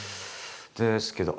ですけど